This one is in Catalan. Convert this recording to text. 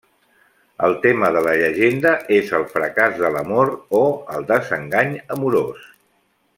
El tema de la llegenda és el fracàs de l'amor o el desengany amorós.